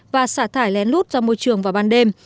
và xả thải lén lút ra môi trường vào ban đêm